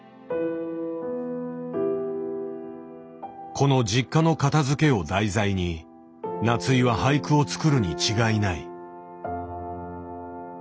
この実家の片づけを題材に夏井は俳句を作るに違いない。